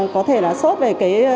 có thể là sốt về